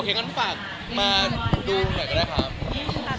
โอเคงั้นหลักฝากมาดูหน่อยก็ได้ค่ะ